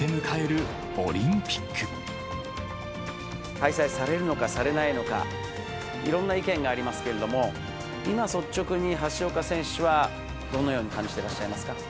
開催されるのか、されないのか、いろんな意見がありますけれども、今率直に橋岡選手はどのように感じてらっしゃいますか。